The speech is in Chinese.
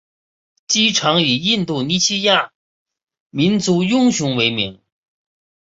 机场以印度尼西亚民族英雄为名。